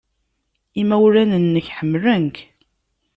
Imawlan-nnek ḥemmlen-k.